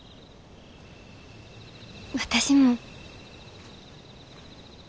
私も。